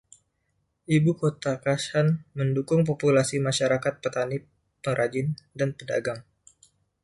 Ibu kota, Qashan mendukung populasi masyarakat petani, pengrajin, dan pedagang.